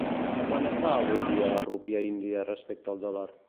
A quant està avui dia la rúpia índia respecte al dòlar?